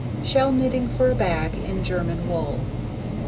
Shell Knitting for a Bag, in German Wool.